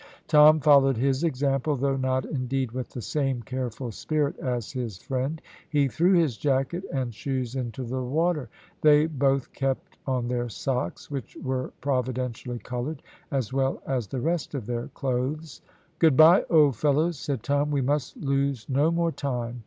Tom followed his example, though not, indeed, with the same careful spirit as his friend; he threw his jacket and shoes into the water. They both kept on their socks, which were providentially coloured, as well as the rest of their clothes. "Good bye, old fellows," said Tom; "we must lose no more time."